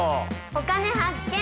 「お金発見」。